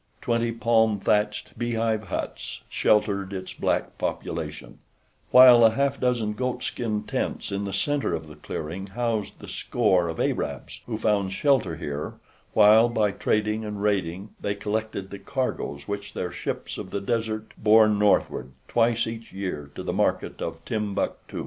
Twenty palm thatched, beehive huts sheltered its black population, while a half dozen goat skin tents in the center of the clearing housed the score of Arabs who found shelter here while, by trading and raiding, they collected the cargoes which their ships of the desert bore northward twice each year to the market of Timbuktu.